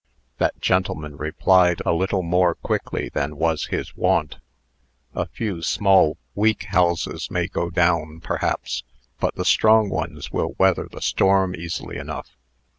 That gentleman replied, a little more quickly than was his wont: "A few small, weak houses may go down, perhaps, but the strong ones will weather the storm easy enough.